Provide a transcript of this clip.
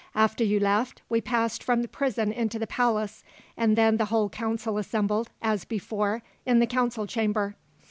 After you left, we passed from the prison into the palace, and then the whole council assembled, as before, in the council chamber.